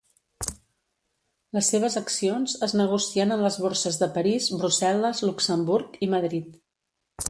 Les seves accions es negocien en les Borses de París, Brussel·les, Luxemburg i Madrid.